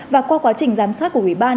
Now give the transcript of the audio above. và qua quá trình giám sát của ủy ban